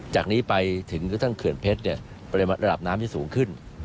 จากนี้ไปถึงกระทั่งเขื่อนเพชรปริมาณระดับน้ำที่สูงขึ้น